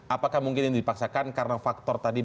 apakah mungkin ini dipaksakan karena faktor tadi